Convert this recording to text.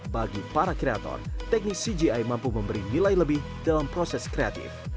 bagi para kreator teknik cgi mampu memberi nilai lebih dalam proses kreatif